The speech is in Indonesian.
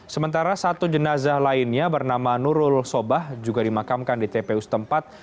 sementara satu jenazah lainnya bernama nurul sobah juga dimakamkan di tpu setempat